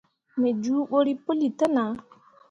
Me juubǝrri puli te nah.